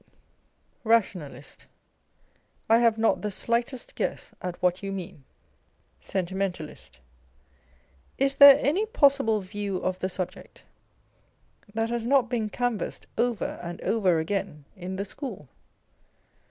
The New School of Reform. 267 Rationalist. I have not the slightest guess at what you mean. Sentimentalist. Is there any possible view of the subject that has not been canvassed over and over again in the School